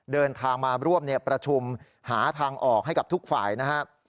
เดินทางมาร่วมประชุมหาทางออกให้กับทุกฝ่ายนะครับ